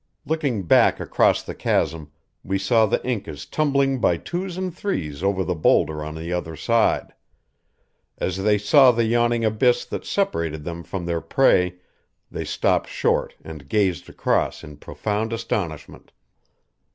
Looking back across the chasm, we saw the Incas tumbling by twos and threes over the boulder on the other side. As they saw the yawning abyss that separated them from their prey they stopped short and gazed across in profound astonishment.